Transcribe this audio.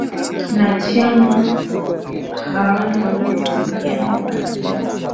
na chama hawana uhusiano na siasa